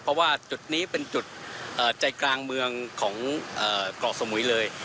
เพราะว่าจุดนี้เป็นจุดใจกลางเมืองของเกาะสมุยเลย